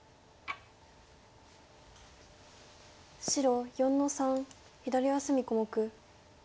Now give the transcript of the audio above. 白４の三左上隅小目。